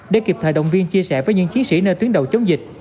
để kịp thời động viên chia sẻ với những chiến sĩ nơi tuyến đầu chống dịch